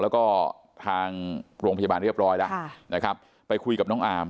แล้วก็ทางโรงพยาบาลเรียบร้อยแล้วนะครับไปคุยกับน้องอาร์ม